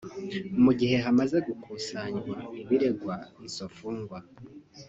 Mu gihe hamaze gukusanywa ibiregwa izo mfungwa